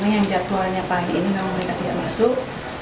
yang jadwalnya pagi ini memang mereka tidak masuk